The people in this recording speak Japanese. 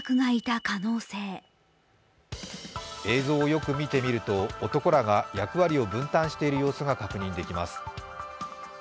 映像をよく見てみると、男らが役割を分担している様子が確認できます。